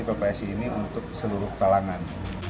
ppsi ini untuk seluruh kalangan